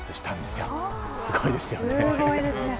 すごいですね。